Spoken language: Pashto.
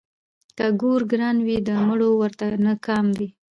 ـ که ګور ګران وي د مړي ورته نه کام وي.